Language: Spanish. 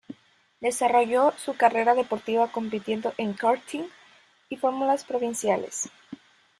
Desarrolló su carrera deportiva compitiendo en karting y en Fórmulas provinciales.